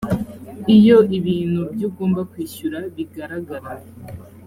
iyo ibintu by ugomba kwishyura bigaragara